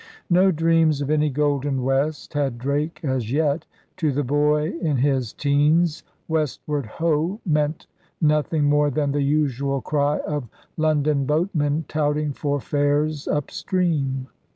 No dreams of any Golden West had Drake as yet. To the boy in his teens Westward Hoi meant nothing more than the usual cry of Lon don boatmen touting for fares up stream.